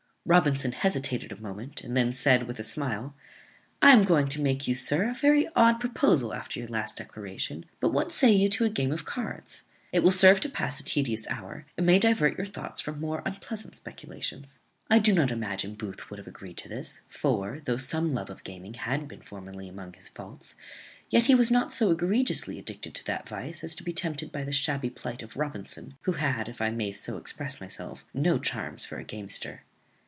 Robinson hesitated a moment, and then said, with a smile, "I am going to make you, sir, a very odd proposal after your last declaration; but what say you to a game at cards? it will serve to pass a tedious hour, and may divert your thoughts from more unpleasant speculations." I do not imagine Booth would have agreed to this; for, though some love of gaming had been formerly amongst his faults, yet he was not so egregiously addicted to that vice as to be tempted by the shabby plight of Robinson, who had, if I may so express myself, no charms for a gamester.